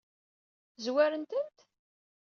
Zwaren-tent?